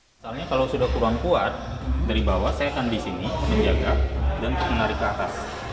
misalnya kalau sudah kurang kuat dari bawah saya akan di sini menjaga dan untuk menarik ke atas